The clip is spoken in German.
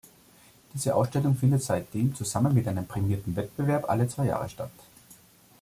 Diese Ausstellung findet seitdem zusammen mit einem prämierten Wettbewerb alle zwei Jahre statt.